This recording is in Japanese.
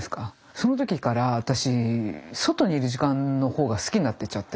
その時から私外にいる時間の方が好きになっていっちゃって。